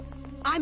あ！